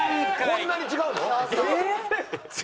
こんなに違うの？